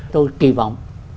tôi kỳ vọng